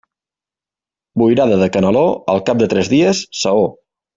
Boirada de canaló, al cap de tres dies, saó.